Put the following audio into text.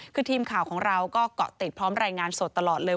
คือทีมข่าวของเราก็เกาะติดพร้อมรายงานสดตลอดเลย